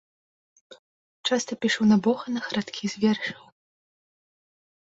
Часта пішу на боханах радкі з вершаў.